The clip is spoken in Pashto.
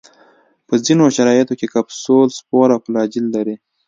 په ځینو شرایطو کې کپسول، سپور او فلاجیل لري.